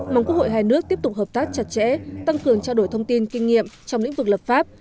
mong quốc hội hai nước tiếp tục hợp tác chặt chẽ tăng cường trao đổi thông tin kinh nghiệm trong lĩnh vực lập pháp